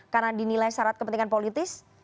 karena dinilai syarat kepentingan politis